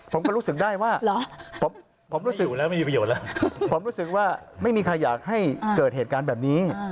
ผมก็รู้สึกได้ว่าผมรู้สึกว่าไม่มีใครอยากให้เกิดเหตุการณ์แบบนี้